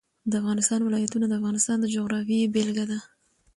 د افغانستان ولايتونه د افغانستان د جغرافیې بېلګه ده.